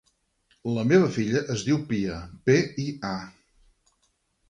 La meva filla es diu Pia: pe, i, a.